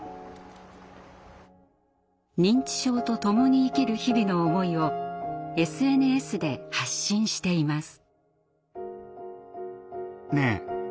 認知症とともに生きる日々の思いをＳＮＳで発信しています。